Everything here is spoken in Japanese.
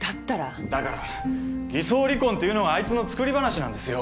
だから偽装離婚っていうのがあいつの作り話なんですよ。